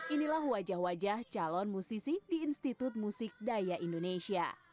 inilah wajah wajah calon musisi di institut musik daya indonesia